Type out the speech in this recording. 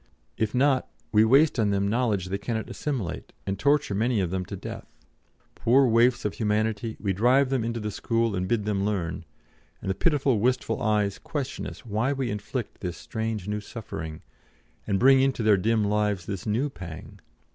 If not, we waste on them knowledge they cannot assimilate, and torture many of them to death. Poor waifs of humanity, we drive them into the school and bid them learn; and the pitiful, wistful eyes question us why we inflict this strange new suffering, and bring into their dim lives this new pang.